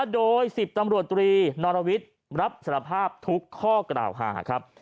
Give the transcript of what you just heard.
โดย๑๐ตำรวจตรีนรวิทย์รับสารภาพทุกข้อกล่าวหาครับ